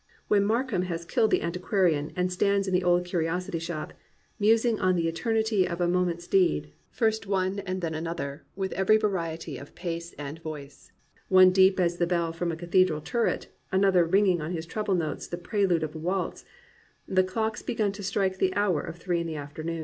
When Mark heim has killed the antiquarian and stands in the old curiosity shop, musing on the eternity of a mo ment's deed, — "first one and then another, with every variety of pace and voice, — one deep as the bell from a cathedral turret, another ringing on its treble notes the prelude of a waltz, — the clocks be gan to strike the hour of three in the afternoon.'